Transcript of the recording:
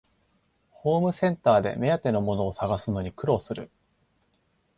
ホームセンターで目当てのものを探すのに苦労する